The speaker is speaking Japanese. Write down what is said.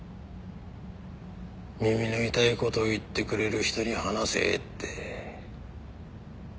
耳の痛い事言ってくれる人に話せって。